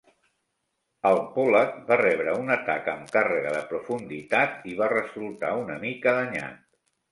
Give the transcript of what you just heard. El "Pollack" va rebre un atac amb càrrega de profunditat i va resultar una mica danyat.